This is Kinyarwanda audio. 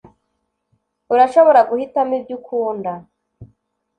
Urashobora guhitamo ibyo ukunda.